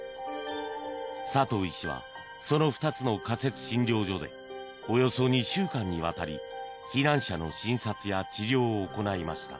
佐藤医師はその２つの仮設診療所でおよそ２週間にわたり避難者の診察や治療を行いました。